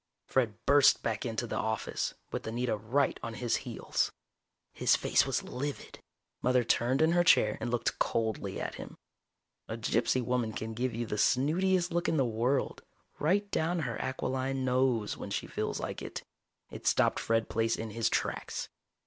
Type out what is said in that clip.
Fred burst back into the office, with Anita right on his heels. His face was livid. Mother turned in her chair and looked coldly at him. A gypsy woman can give you the snootiest look in the world, right down her aquiline nose, when she feels like it. It stopped Fred Plaice in his tracks.